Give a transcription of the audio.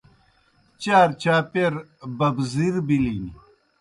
چارچاپیر ببزِیر بِلِن۔